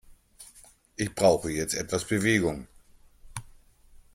Ich brauche jetzt etwas Bewegung.